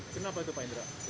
kenapa itu pak indra